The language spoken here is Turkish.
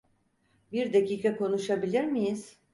Bir dakika konuşabilir miyiz?